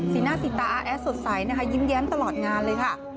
หน้าสีตาอาแอดสดใสนะคะยิ้มแย้มตลอดงานเลยค่ะ